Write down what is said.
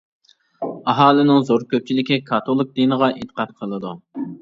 ئاھالىنىڭ زور كۆپچىلىكى كاتولىك دىنىغا ئېتىقاد قىلىدۇ.